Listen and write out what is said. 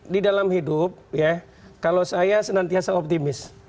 di dalam hidup ya kalau saya senantiasa optimis